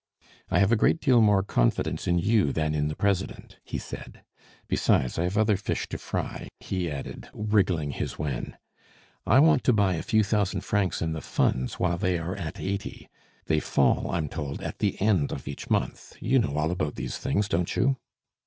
"I have a great deal more confidence in you than in the president," he said; "besides, I've other fish to fry," he added, wriggling his wen. "I want to buy a few thousand francs in the Funds while they are at eighty. They fall, I'm told, at the end of each month. You know all about these things, don't you?"